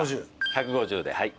１５０ではい。